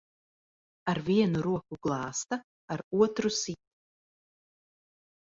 Ar vienu roku glāsta, ar otru sit.